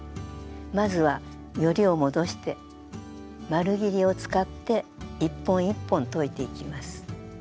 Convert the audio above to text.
まずはよりを戻して丸ぎりを使って１本１本といていきます。